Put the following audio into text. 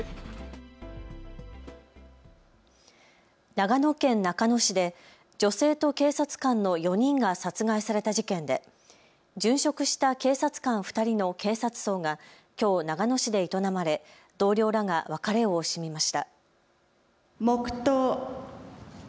長野県中野市で女性と警察官の４人が殺害された事件で殉職した警察官２人の警察葬がきょう長野市で営まれ同僚らが別れを惜しみました。